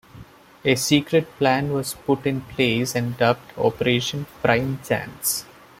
A secret plan was put in place and dubbed Operation Prime Chance.